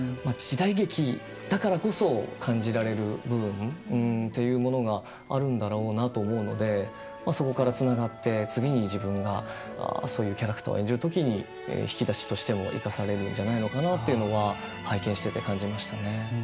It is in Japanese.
時代劇だからこそ感じられる部分というものがあるんだろうなと思うのでそこからつながって次に自分がそういうキャラクターを演じる時に引き出しとしても生かされるんじゃないのかなというのは拝見してて感じましたね。